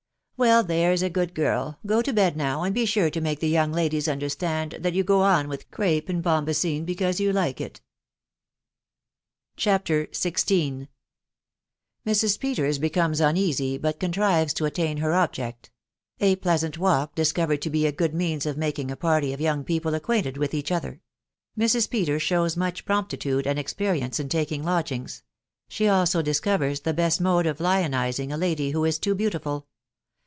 " Well, there's a good girl, go to bed now, and be sure to make the young ladies understand that you go on with crape and bombasin because you like it." 122 THJI WIDOW BA1UVABY. CHAPTER XVI. MKS. PETERS BECOMES UNEASY, BUT CONTRIVES TO ATTAIN HRE OMXgT. — A PLEASANT WALK MSCOVERED TO It A GOOD KBAJIS OF MJUUKO A party or young* Pioni acquainted with bach other. — xm*. PETERS SHOWS MUCH PROMPTITUDE AMD EXPERIENCE Uf IAJOM LODGINGS. SHE ALSO DISCOVERS THE BEST MODE OF LIONISING A LADT WHO IS TOO BEAUTIFUL.